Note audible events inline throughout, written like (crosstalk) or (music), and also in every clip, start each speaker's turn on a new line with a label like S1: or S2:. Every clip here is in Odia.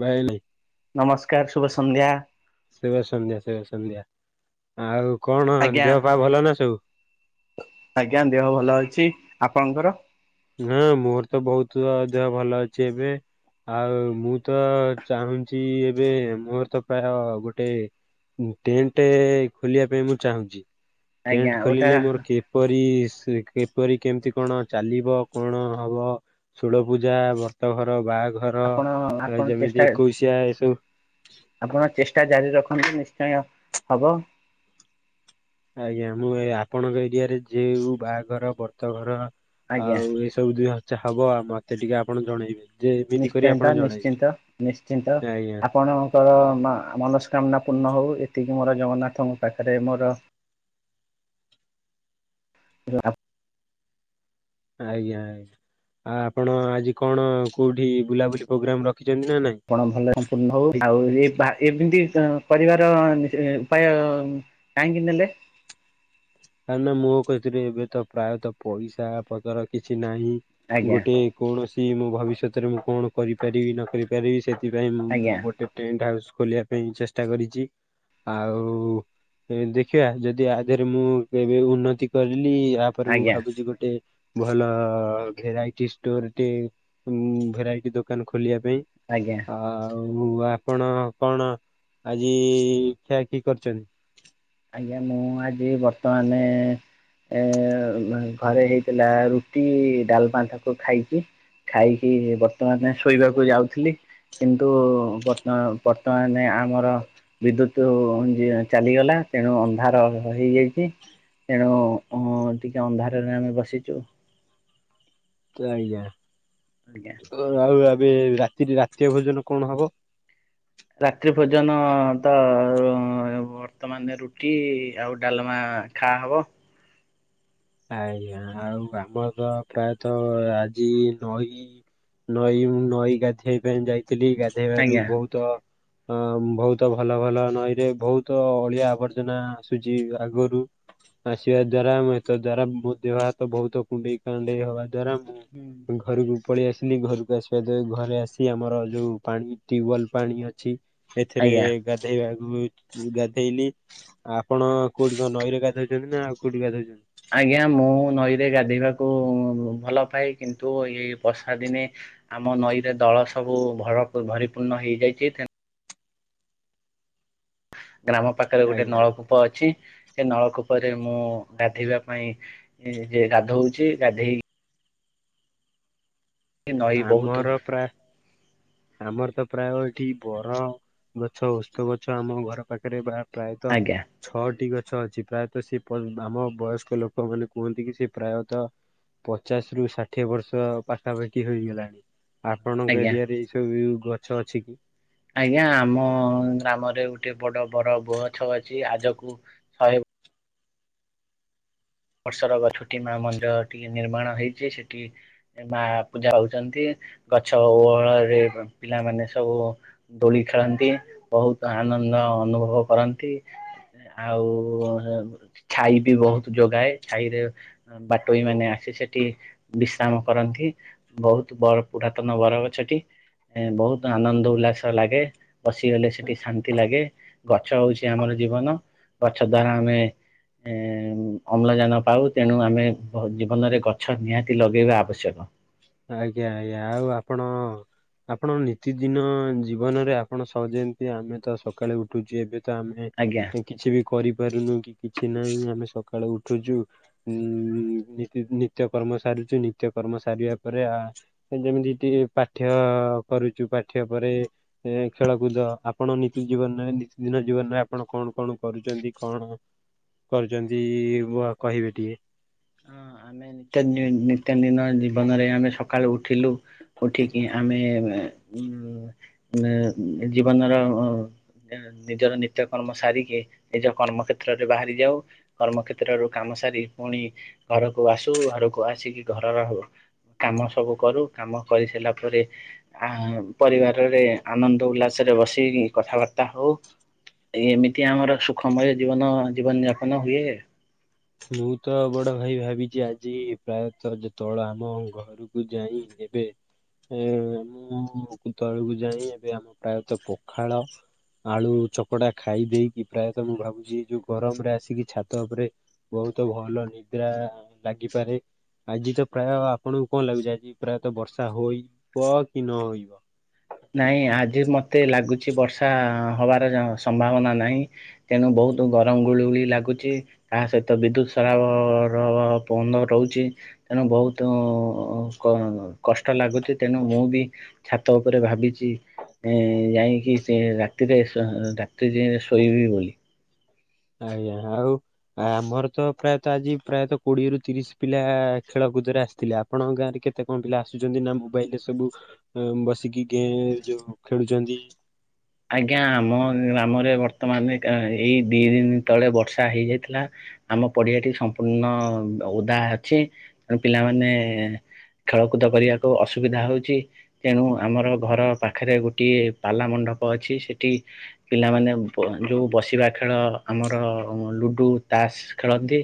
S1: ଭାଇିଲି।
S2: ନମସ୍କାର ଶୁଭ ସନ୍ଧ୍ୟା।
S1: ଶୁଭ ସନ୍ଧ୍ୟା ଶୁଭ ସନ୍ଧ୍ୟା ଆଉ କଣ
S2: ଆଜ୍ଞା
S1: ଦେହ ପା ଭଲ ନା ସବୁ।
S2: ଆଜ୍ଞା ଦେହ ଭଲ ଅଛି ଆପଣଙ୍କର?
S1: ହଁ ମୋର ତ ବହୁତ ଦେହ ଭଲ ଅଛି ଏବେ। ଆଉ ମୁଁ ତ ଚାହୁଁଛି ଏବେ ମୋର ତ ପ୍ରାୟ ଗୋଟେ ଟେଣ୍ଟ ଖୋଲିବା ପାଇଁ ମୁଁ ଚାହୁଁଛି
S2: ଆଜ୍ଞା
S1: ଟେଣ୍ଟ
S2: ଓଟା
S1: ଖୋଲିଲେ ମୋର କି କିପରି ସେ କିପରି କେମିତି କଣ ଚାଲିବ? କଣ ହବ ଷୋଳପୂଜା ବ୍ରତଘର ବାହାଘର
S2: ଆପଣ
S1: ଅ
S2: ଆପଣ ଚେଷ୍ଟା
S1: ଯେମିତି ଏକୋଇଶିଆ ଏ ସବୁ
S2: ଆପଣ ଚେଷ୍ଟା ଜାରି ରଖନ୍ତୁ ନିଶ୍ଚୟ ହବ।
S1: ଆଜ୍ଞା ମୁଁ ଏ ଆପଣଙ୍କ ଏରିଆରେ ଯେଉ ବାହାଘର ବର୍ତ୍ ବ୍ରତ ଘର
S2: ଆଜ୍ଞା
S1: ଆଉ ଏଇ ସବୁ ଦୁଇ ଯାହା ହବ ଆଉ ମତେ ଟିକେ ଆପଣ ଜଣେଇବେ। ଯେ ଏମିତି କରି ଆପଣ
S2: ନିଶ୍ଚିନ୍ତ
S1: ଜଣେଇବେ।
S2: ନିଶ୍ଚିନ୍ତ ନିଶ୍ଚିନ୍ତ
S1: ଆଜ୍ଞା
S2: ଆପଣଙ୍କର
S1: ଆ
S2: ମା ମନସ୍କାମନା ପୂର୍ଣ୍ଣ ହେଉ ଏତିକି ମୋର ଜଗନ୍ନାଥଙ୍କ ପାଖରେ ମୋର (unintelligible)
S1: ଆଜ୍ଞା ଆଜ୍ଞା ଆ ଆପଣ ଆଜି କଣ କୋଉଠି ବୁଲାବୁଲି ପ୍ରୋଗ୍ରାମ ରଖିଛନ୍ତି ନା ନାଇଁ।
S2: ଆପଣ ଭଲ ସମ୍ପୂର୍ଣ୍ଣ ହଉ ଆଉ ଏପା ଏମିତି କରିବାର ଉପାୟ କାହିଁକି ନେଲେ।
S1: କାରଣ ମୋ କତିରେ ଏବେତ ପ୍ରାୟତଃ ପଇସା ପତର କିଛି ନାହିଁ
S2: ଆଜ୍ଞା
S1: ଗୋଟେ କୌଣସି ମୋ ଭବିଷ୍ୟତରେ ମୁଁ କଣ କରିପାରିବି ନ କରିପାରିବି ସେଥିପାଇଁ ମୁଁ
S2: ଆଜ୍ଞା
S1: ମୁଁ ଗୋଟେ ଟେଣ୍ଟ ହାଉସ୍ ଖୋଲିବା ପାଇଁ ଚେଷ୍ଟା କରିଛି। ଆଉ ଦେଖିବା ଯଦି ଆ ଦେହରେ ମୁଁ କେବେ ଉନ୍ନତି କରିଲି ଆ‌
S2: ଆଜ୍ଞା
S1: ପରେ ମୁଁ
S2: ଆଜ୍ଞା
S1: ଭାବୁଛି ଗୋଟେ। ଭଲ ଭେରାଇଟି ଷ୍ଟୋର ଟେ ଉଁ ଭେରାଇଟି ଦୋକାନ ଖୋଲିବା। ପେଇଁ
S2: ଆଜ୍ଞା
S1: ଆ ଆଉ ଆପଣ କଣ ଆଜି ଖିଆ ଖି କରିଛନ୍ତି।
S2: ଆଜ୍ଞା ମୁଁ ଆଜି ବର୍ତ୍ତମାନ। ଏ ଘ ଘରେ ହେଇଥିଲା ରୁଟି ଡାଲ ତାକୁ ଖାଇଛି। ଖାଇକି ବର୍ତ୍ତମାନ ଶୋଇବାକୁ ଯାଉଥିଲି। କିନ୍ତୁ ବତ୍ତ ବର୍ତ୍ତମାନ ଆମର। ବିଦ୍ୟୁତ ଯିଏ ଚାଲିଗଲା। ତେଣୁ ଅନ୍ଧାର ହେଇଯାଇଛି ତେଣୁ ଉଁ ଟିକେ ଅନ୍ଧାରରେ ଆମେ ବସିଛୁ।
S1: ଆଜ୍ଞା।
S2: ଆଜ୍ଞା।
S1: ଅ ଆଉ ଏବେ ରାତି ରେ ରାତିଅ ଭୋଜନ କଣ ହବ?
S2: ରାତ୍ରି ଭୋଜନ ତ ଅଁ ବର୍ତ୍ତମାନ ରୁଟି ଆଉ ଡାଲମା ଖା ହବ।
S1: ଆଜ୍ଞା ଆଉ ଆମ ତ ପ୍ରାୟତ ଆଜି ନଈ। ନଈ ମୁଁ ନଈ ଗାଧେଇ ପାଇଁ ଯାଇଥିଲି ଗାଧେଇବାରୁ
S2: ଆଜ୍ଞା
S1: ବହୁତ। ଅ ବହୁତ ଭଲ ଭଲ ନଈରେ ବହୁତ ଅଳିଆ ଆବର୍ଜନା ଆସୁଛି ଆଗୁରୁ। ଆସିବା ଦ୍ଵାରା ଏତ ଦ୍ଵାରା ମୋ ଦେହ ହାତ ବହୁତ କୁଣ୍ଡେଇ କାଣ୍ଡେଇ ହବା ଦ୍ଵାରା ମୁଁ।
S2: ହୁଁ।
S1: ଘରକୁ ପଳେଇ ଆସିଲି ଘରକୁ ଆସିବା ଦ୍ଵା ଘରେ ଆସି ଆମର ଯୋଉ ପାଣି ଟ୍ୟୁବଲ୍ ପାଣି ଅ ଛି ସେଥେରେ
S2: ଆଜ୍ଞା।
S1: ଗାଧେଇବା ମି ଗାଧେଇଲି। ଆପଣ କୋଉଠି କଁ ନଈରେ ଗାଧଉଛନ୍ତି ନା ଆଉ କଉଠି ଗାଧଉଛନ୍ତି।
S2: ଆଜ୍ଞା ମୁଁ ନଈରେ ଗାଧୋଇବାକୁ ଭଲ ପାଏ କିନ୍ତୁ ଏଇ ବର୍ଷା ଦିନେ। ଆମ ନଈ ରେ ଦଳ ସବୁ ଭର ଭରିପୂର୍ଣ୍ଣ ହେଇଯାଇଛି ତେଣୁ ଗ୍ରାମ ପାଖରେ ଗୋଟେ
S1: ଆଜ୍ଞା।
S2: ନଳକୂପ ଅଛି ସେ ନଳକୂପରେ ମୁଁ ଗାଧୋଇବା ପାଇଁ। ଯେ ଗାଧୋଉଛି ଗାଧେଇ ନଈ ବହୁତ
S1: ଆମର ପ୍ରା ଆମର ତ ପ୍ରାୟ ଏଠି ବର ଗଛ ଉଷ୍ତ ଗଛ ଆମ ଘର ପାଖରେ ଭା ପ୍ରାୟତଃ।
S2: ଆଜ୍ଞା
S1: ଛଅଟି ଗଛ ଅଛି ପ୍ରାୟତଃ ସେ ପମ୍ ଆମ ବୟସ୍କ ଲୋକମାନେ କୁହନ୍ତି କି ସେ ପ୍ରାୟତଃ। ପଚାଶ ରୁ ଷାଠିଏ ବର୍ଷ ପାଖା ପାଖି। କି ହେଇଗଲାଣି ଆପଣଙ୍କ
S2: ଆଜ୍ଞା
S1: ଏରିଆରେ ଏଇ ସବୁ ଗଛ ଅଛି କି?
S2: ଆଜ୍ଞା ଆମ ଗ୍ରାମରେ ଗୋଟିଏ ବଡ ବର ଗଛ ଅଛି ଆଜକୁ। ଶହେ ବର୍ଷର ଗଛ ଟି ମା ମନ୍ଦିର ଟିଏ ନିର୍ମାଣ ହେଇଛି ସେଠି। ମା ପୂଜା ହଉଛନ୍ତି ଗଛ ଓହଳରେ ପିଲାମାନେ ସବୁ। ଦୋଳି ଖେଳନ୍ତି ବହୁତ ଆନନ୍ଦ ଅନୁଭବ କରନ୍ତି। ଆଉ ଛାଇ ବି ବହୁତ ଯୋଗାଏ ଛାଇରେ। ବାଟୋଇ ମାନେ ଆସି ସେଠି ବିଶ୍ରାମ କରନ୍ତି। ବହୁତ ବଡ ପୁରାତନ ବରଗଛଟି ଏଁ ବହୁତ ଆନନ୍ଦ ଉଲ୍ଲାସ ଲାଗେ। ବସିଗଲେ ସେଠି ଶାନ୍ ନ୍ତି ଲାଗେ ଗଛ ହଉଛି ଆମର ଜୀବନ ଗଛ ଦ୍ଵାରା ଆମେ ଏଁ ଉମ୍ ଅମ୍ଲଜାନ ପାଉ ତେଣୁ ଆମେ ଜୀବନରେ ଗଛ ନିହାତି ଲଗେଇବା ଆବଶ୍ୟକ।
S1: ଆଜ୍ଞା ଆଜ୍ଞା ଆଉ ଆପଣ। ଆପଣ ନିତିଦିନ ଜୀବନରେ ଆପଣ ସ ଯେମିତି ଆମେ ତ ସକାଳେ ଉଠୁଛୁ ଏବେ ତ ଆମେ।
S2: ଆଜ୍ଞା।
S1: କିଛି ବି କରିପାରୁନୁ କି କିଛି ନାହିଁ ଆମେ ସକାଳୁ ଉଠୁଛୁ ଉ ନିତ୍ୟ କର୍ମ ସାରଚୁ ନିତ୍ୟ କର୍ମ ସାରିବା ପରେ ଆ ଯେମିତି ଟିକେ ପାଠ୍ୟ କରୁଛୁ ପାଠ୍ୟ ପରେ ଏ ଖେଳକୁଦ ଆପଣ ନିତି ଜୀବନରେ ନିତିଦିନ ଜୀବନରେ ଆପଣ କଣ କଣ କରୁଛନ୍ତି କଣ? କରୁଛନ୍ତି ବ କହିବେ ଟିକେ।
S2: ହଁ ଆମେ ନିତ୍ୟ ନିତ୍ୟନ୍ଦିନ ଜୀବନରେ ଆମେ ସକାଳୁ ଉଠିଲୁ ଉଠିକି ଆମେ ଉ ଉଁ ଜୀବନର ଅ ନିଜର ନିତ୍ୟକର୍ମ ସାରିକି ନିଜ କର୍ମ କ୍ଷେତ୍ରରେ ବାହାରି ଯାଉ। କର୍ମ କ୍ଷେତ୍ରରୁ କାମ ସାରି ପୁଣି ଘରକୁ ଆସୁ ଘରକୁ ଆସିକି ଘରର କାମ ସବୁ କରୁ କାମ କରି ସାରିଲା ପରେ ଆ ପରିବାରରେ ଆନନ୍ଦ ଉଲ୍ଲାସରେ ବସିକି କଥାବାର୍ତ୍ତା ହଉ। ଏ ଏମିତି ଆମର ସୁଖମୟ ଜୀବନ ଜୀବନଯାପନ ହୁଏ।
S1: ମୁଁ ତ ବଡ ଭାଇ ଭାବିଛି ଆଜି ପ୍ରାୟତଃ ଯେତେବେଳେ ଆମ ଘରକୁ ଯାଇ ନେବେ। ଏ ମୁଁ ତଳକୁ ଯାଇ ଏବେ ଆମେ ପ୍ରାୟତଃ ପଖାଳ ଆଳୁ ଚକଟା ଖାଇ ଦେଇେଇକି ପ୍ରାୟତଃ ମୁଁ ଭାବୁଛି ଏଇ ଯୋଉ ଗରମରେ ଆସିକି ଛାତ ଉପରେ। ବହୁତ ଭଲ ନିଦ୍ରା ଲାଗିପାରେ। ଆଜି ତ ପ୍ରାୟ ଆପଣଙ୍କୁ କଣ ଲାଗୁଛି ଆଜି ପ୍ରାୟତଃ ବର୍ଷା ହୋଇବ କି ନହୋଇବ?
S2: ନାଇଁ ଆଜି ମତେ ଲାଗୁଛି ବର୍ଷା ହବାର ଯ ସମ୍ଭାବନା ନାହିଁ। ତେଣୁ ବହୁତ ଗରମ ଗୁଳି ଗୁଳି ଲାଗୁଛି। ତା ସହିତ ବିଦ୍ୟୁତ ସରାବର ବନ୍ଦ ରହୁଛି। ତେଣୁ ବହୁତ କ କଷ୍ଟ ଲାଗୁଛି ତେଣୁ ମୁଁ ବି ଛାତ ଉପରେ ଭାବିଛି ଏ ଯାଇକି ସେ ରାତିରେ ରାତି ଯ ଶୋଇବି ବୋଲି କି?
S1: ଆଜ୍ଞା ଆଉ। ଆମର ତ ପ୍ରାୟତଃ ଆଜି ପ୍ରାୟତଃ କୋଡିଏରୁୁ ତିରିଶ ପିଲା ଖେଳକୁଦରେ ଆସିଥିଲେ। ଆପଣଙ୍କ ଗାଁରେ କେତେ କଣ ପିଲା ଆସୁଛନ୍ତି ନା ମୋବାଇଲ ରେ ସବୁ। ଅଏମ୍ ବସିକି ଗେ ଯୋଉ ଖେଳୁଛନ୍ତି।
S2: ଆଜ୍ଞା ଆମ ଗ୍ରାମରେ ବର୍ତ୍ତମାନ ଏଇ ଦିଇ ଦିନ ତଳେ ବର୍ଷା ହେଇଯାଇଥିଲା। ଆମ ପଡିଆଟି ସମ୍ପୂର୍ଣ୍ଣ ଓଦା ଅଛି ତେଣ ପିଲାମାନେ ଖେଳକୁଦ କରିବାକୁ ଅସୁବିଧା ହଉଛି। ତେଣୁ ଆମର ଘର ପାଖରେ ଗୋଟିଏ ପାଲା ମଣ୍ଡପ ଅଛି ସେଠି ପିଲାମାନେ ଯୋଉ ବସିବା ଖେଳ ଆମର ଲୁଡୁ ତାସ ଖେଳନ୍ତି।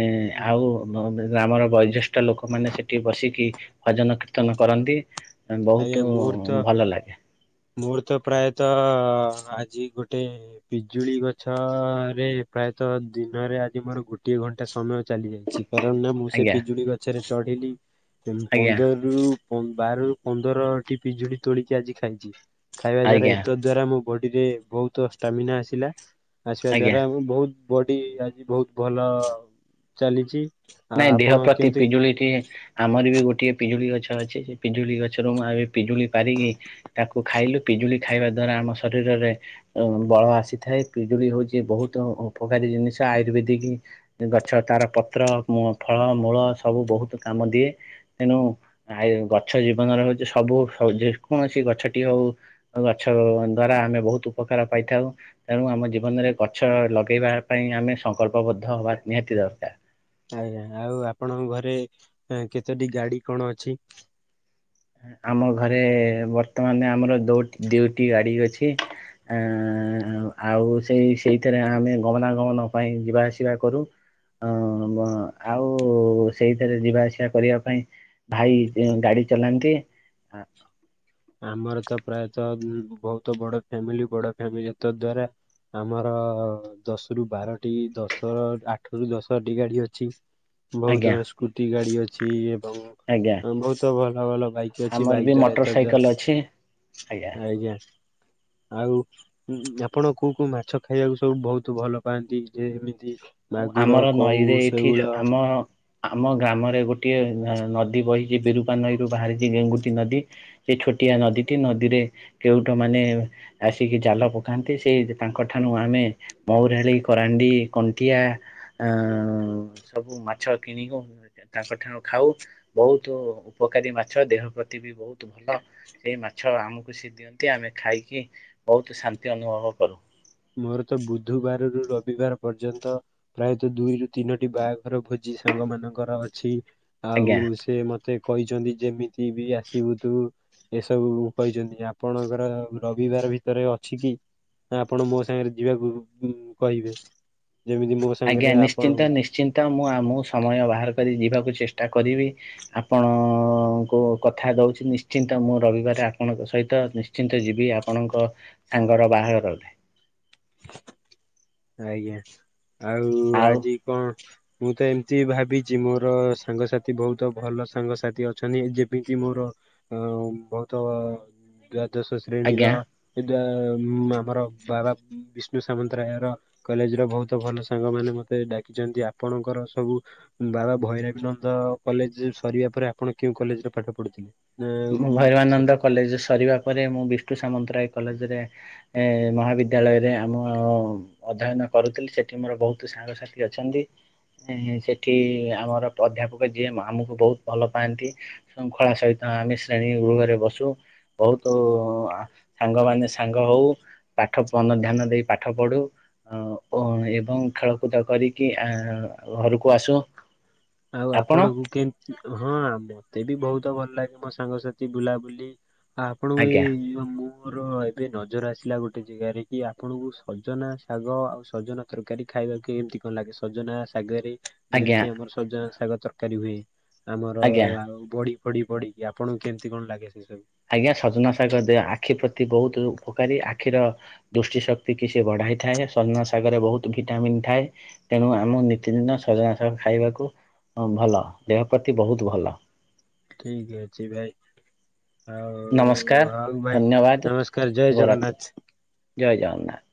S2: ଏଁ
S1: ଉଁ,
S2: ଆଉ ବ ଗ୍ରାମର ବୟୋଜ୍ୟେଷ୍ଠ ଲୋକମାନେ ସେଠି ବସିକି ଭଜନ କୀର୍ତ୍ତନ କରନ୍ତି। ଆଁ
S1: ଆଜ୍ଞା
S2: ବହୁତ
S1: ମୋର ତ
S2: ଭଲ ଲାଗେ।
S1: ମୋର ତ ପ୍ରାୟତଃ ଆଜି ଗୋଟେ ପିଜୁଳି ଗଛରେ ପ୍ରାୟତଃ ଦିନରେ ଆଜି ମୋର ଗୋଟିଏ ଘଣ୍ଟା ସମୟ ଚାଲି ଯାଇଛି। କାରଣ ନା ମୁଁ ସେ
S2: ଆଜ୍ଞା
S1: ପିଜୁଳି ଗଛରେ ଚଢିଲି ଏମ୍
S2: ଆଜ୍ଞା
S1: ପନ୍ଦର ରୁ ବାର ରୁ ପନ୍ଦରଟି ପିଜୁଳି ତୋଳିକି ଆଜି ଖାଇଛି ଖାଇବା ଦ୍ଵାରା
S2: ଆଜ୍ଞା।
S1: ଏତତ୍ ଦ୍ଵାରା ଆମ ବଡି ରେ ବହୁତ ଷ୍ଟାମିନା ଆସିଲା ଆସିବା
S2: ଆଜ୍ଞା
S1: ଦ୍ଵାରା ଆମେ ବହୁତ ବଡି ଆଜି ବହୁତ ଭଲ ଚାଲିଛି। ଆଉ
S2: ନାଇଁ ଦେହ
S1: ଆପଣ
S2: ପ୍ରତି
S1: କେମିତି
S2: ପିଜୁଳିଟି ଆମର ବି ଗୋଟିଏ ପିଜୁଳି ଗଛ ଅଛି ସେ ପିଜୁଳି ଗଛରୁ ମୁଁ ଏବେ ପିଜୁଳି ପାରିକି ତାକୁ ଖାଇଲୁ ପିଜୁଳି ଖାଇବା ଦ୍ଵାରା ଆମ ଶରୀରରେ ବଳ ଆସିଥାଏ ପିଜୁଳି ହଉଛି ବହୁତ ଉପକାରୀ ଜିନିଷ ଆୟୁର୍ବେଦିକି ଗଛ ତାର ପତ୍ର, ଫଳ, ମୂଳ, ସବୁ ବହୁତ କାମ ଦିଏ। ତେଣୁ ଆ ଗଛ ଜୀବନରେ ହଉଛି ସବୁ, ଯେକୌଣସି ଗଛଟି ହଉ ଗଛ ଦ୍ଵାରା ଆମେ ବହୁତ ଉପକାର ପାଇଥାଉ। ତେଣୁ ଆମ ଜୀବନରେ ଗଛ ଲଗେଇବା ପାଇଁ ଆମେ ସଂକଳ୍ପ ବଦ୍ଧ ହବା ନିହାତି ଦରକାର।
S1: ଆଜ୍ଞା, ଆଉ ଆପଣଙ୍କ ଘରେ କେତୋଟି ଗାଡି କଣ ଅଛି?
S2: ଆମ ଘରେ ବର୍ତ୍ତମାନ ଆମର ଦୋଟ୍, ଦୁଇଟି ଗାଡି ଅଛି। ଏଁ ଏଁ, ଆଉ ସେଇ ସେଇଥିରେ ଆମେ ଗମନାଗମନ ପାଇଁ ଯିବା ଆସିବା କରୁ। ହଁ, ଆଉ ବ ସେଇଥିରେ ଯିବା ଆସିବା କରିବା ପାଇଁ ଭାଇ ଗାଡି ଚଲାନ୍ତି।
S1: ଆମର ତ, ପ୍ରାୟତଃ, ବହୁତ ବଡ ଫ୍ୟାମିଲି, ବଡ ଫ୍ୟାମିଲି, ତା ଦ୍ୱାରା ଆମର ଦଶ ରୁ ବାରଟି, ଦଶର ଆଠ ରୁ ଦଶଟି ଗାଡି ଅଛି।
S2: (unintelligible)
S1: ବହୁତ ସ୍କୁଟି ଗାଡି ଅଛି ଏବଂ
S2: ଆଜ୍ଞା
S1: ବହୁତ ଭଲ ଭଲ ବାଇକ୍ ଅଛି
S2: ଆମର
S1: ବାଇକ୍
S2: ବି
S1: ଦ୍ଵାରା
S2: ମୋଟର
S1: ଏତ ଦ୍ଵାରା
S2: ସାଇକେଲ ଅଛି, ଆଜ୍ଞା।
S1: ଆଜ୍ଞା, ଆଉ ଉଁ ଆପଣ କୋଉ କୋଉ ମାଛ ଖାଇବାକୁ ସବୁ ବହୁତ ଭଲ ପାଆନ୍ତି, ଯେମିତି
S2: ମୁଁ
S1: ମାଗୁର
S2: ଆମର
S1: କଉ
S2: ନଈରେ ଏଠି,
S1: ଶେଉଳ
S2: ଆମ ଆମ ଗ୍ରାମରେ ଗୋଟିଏ ନଦୀ ବହିଚି, ବିରୁପା ନଈରୁ ବାହାରିଛି ଗେଙ୍ଗୁଟି ନଦୀ ସେ ଛୋଟିଆ ନଦୀଟି, ନଦୀରେ କେଉଟ ମାନେ ଆସିକି ଜାଲ ପକାନ୍ତି, ସେଇ ତାଙ୍କଠାରୁ ଆମେ ମଉରାଳି, କରାଣ୍ଡି, କଣ୍ କଣ୍ଟିଆ ସବୁ ମାଛ କିଣିକୁ ତାଙ୍କଠାରୁ ଖାଉ, ବହୁତ ଉପକାରୀ ମାଛ, ଦେହ ପ୍ରତି ବି ବହୁତ ଭଲ। ସେଇ ମାଛ ଆମକୁ ସେ ଦିଅନ୍ତି, ଆମେ ଖାଇକି ବହୁତ ଶାନ୍ତି ଅନୁଭବ କରୁ।
S1: ମୋର ତ ବୁଧବାରରୁୁ ରବିବାର ପର୍ଯ୍ୟନ୍ତ ପ୍ରାୟତଃ, ଦୁଇରୁ ତିନୋଟି ବାହାଘର ଭୋଜି ସାଙ୍ଗ ମାନଙ୍କର ଅଛି,
S2: ଆଜ୍ଞା।
S1: ଆଉ ସେ ମତେ ସେ କହିଚନ୍ତି, ଯେମିତି ବି ଆସିବୁ ତୁ। ଏସବୁ କହିଚନ୍ତି, ଆପଣଙ୍କର ରବିବାର ଭିତରେ ଅଛି କି? ନା ଆପଣ ମୋ ସାଙ୍ଗରେ ଯିବାକୁ କହିବେ, ଯେମିତି ମୋ
S2: ଆଜ୍ଞା,
S1: ସାଙ୍ଗରେ ଆପଣ
S2: ନିଶ୍ଚିନ୍ତ ନିଶ୍ଚିନ୍ତ, ମୁଁ, ଆମକୁ ସମୟ ବାହାର କରି ଯିବାକୁ ଚେଷ୍ଟା କରିବି। ଆପଣଙ୍କୁ କଥା ଦଉଚି, ନିଶ୍ଚିନ୍ତ ମୁଁ ରବିବାର ଆପଣଙ୍କ ସହିତ ନିଶ୍ ନିଶ୍ଚିନ୍ତ ଯିବି, ଆପଣଙ୍କ ସାଙ୍ଗର ବାହାଘର ରେ
S1: ଆଜ୍ଞା, ଆଉ ଆଜି କଣ ମୁଁ ତ ଏମିତି ଭାବିଚି, ମୋର ସାଙ୍ଗସାଥି ବହୁତ ଭଲ ସାଙ୍ଗସାଥି ଅଛନ୍ତି, ଯେମିତି ମୋର ଅ ବହୁତ ଦ୍ଵାଦଶ ଶ୍ରେଣୀର,
S2: ଆଜ୍ଞା
S1: ଏ ଆମର ବାବା ବିଷ୍ଣୁ ସାମନ୍ତରାୟର କଲେଜ ର ବହୁତ ଭଲ ସାଙ୍ଗମାନେ ମତେ ଡାକିଚନ୍ତି, ଆପଣଙ୍କର ସବୁ ବାବା ଭୈରବନନ୍ଦ କଲେଜ ସରିବା ପରେ, ଆପଣ କେଉଁ କଲେଜରେ ପାଠ ପଢୁଥିଲେ?
S2: ମୁଁ ଭୈରବାନନ୍ଦ କଲେଜ ସରିବା ପରେ, ମୁଁ ବିଷ୍ଣୁ ସାମନ୍ତରାୟ କଲେଜରେ ଏ ମହାବିଦ୍ୟାଳୟରେ ଆମ ଅଧ୍ୟୟନ କରୁଥିଲି, ସେଠି ମୋର ବହୁତ ସାଙ୍ଗସାଥି ଅଛନ୍ତି। ସେଠି ଆମର ଅଧ୍ୟାପକ ଯିଏ, ଆମୁକୁ ବହୁତ ଭଲ ପାଆନ୍ତି। ଶୃଙ୍ଖଳା ସହିତ ଆମେ ଶ୍ରେଣୀ ଗୃହରେ ବସୁ। ବହୁତୁ ସାଙ୍ଗ ମାନେ ସାଙ୍ଗ ହଉ। ପାଠ, ମନ ଧ୍ୟାନ ଦେଇ ପାଠ ପଢୁ। ଅ ଏବଂ ଖେଳକୁଦ କରିକି ଏଁ ଘରକୁ ଆସୁ।
S1: ଆଉ
S2: ଆପଣ
S1: ଆପଣଙ୍କୁ କେମ୍-ହଁ ମତେ ବି ବହୁତ ଭଲ ଲାଗେ ମୋ ସାଙ୍ଗସାଥି ବୁଲାବୁଲି ଆପଣଙ୍କୁ
S2: ଆଜ୍ଞା
S1: ଏଇ ଯଉ ମୁଁ ମୋର ଏବେ ନଜର ଆସିଲା ଗୋଟେ ଜାଗାରେ କି ଆପଣଙ୍କୁ ସଜନା ଶାଗ ଆଉ ସଜନା ତରକାରୀ ଖାଇବାକୁ କେମତି କଣ ଲାଗେ ସଜନା ଶାଗରେ?
S2: ଆଜ୍ଞା
S1: ଯେମିତି ଆମର ସଜନା ଶାଗ ତରକାରୀ ହୁଏ ଆମର
S2: ଆଜ୍ଞା
S1: ଆଉ ବଡି ଫଡି ପଡିକି ଆପଣଙ୍କୁ କେମତି କଣ ଲାଗେ ସେ ସବୁ?
S2: ଆଜ୍ଞା ସଜନା ଶାଗ ଦେ- ଆଖି ପ୍ରତି ବହୁତୁ ଉପକାରୀ ଆଖିର ଦୃଷ୍ଟି ଶକ୍ତି କି ସେ ବଢ଼ାଇ ଥାଏ ସଜନା ଶାଗରେ ବହୁତ ଭିଟାମିନ୍ ଥାଏ। ତେଣୁ ଆମ ନିତିଦିନ ସଜନା ଶାଗ ଖାଇବାକୁ ଭଲ ଦେହ ପ୍ରତି ବହୁତ୍ ଭଲ।
S1: ଠିକ୍ ଅଛି ଭାଇ। ଆଉ
S2: ନମସ୍କାର
S1: ହଉ ଭାଇ
S2: ଧନ୍ୟବାଦ
S1: ନମସ୍କାର୍ ଜୟ
S2: ଶୁଭରାତ୍ରି
S1: ଜଗନ୍ନାଥ୍।
S2: ଜୟ ଜଗନ୍ନାଥ୍।